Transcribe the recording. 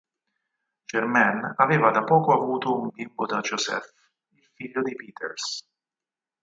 Germaine aveva da poco avuto un bimbo da Joseph, il figlio dei Peeters.